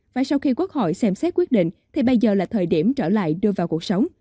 và sau khi quốc hội xem xét quyết định thì bây giờ là thời điểm trở lại đưa vào cuộc sống